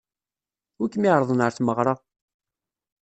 Wi kem-iɛeṛḍen ɣer tmeɣṛa?